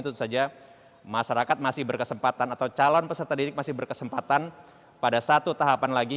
tentu saja masyarakat masih berkesempatan atau calon peserta didik masih berkesempatan pada satu tahapan lagi